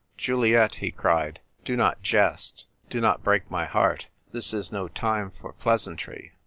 "Juliet," he cried, " do not jest. Do not break my heart. This is no time for pleasantry.